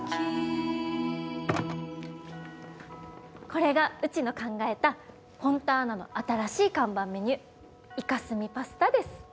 これがうちの考えたフォンターナの新しい看板メニューイカスミパスタです！